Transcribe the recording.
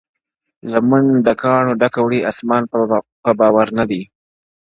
لمن له کاڼو ډکه وړي اسمان په باور نه دی -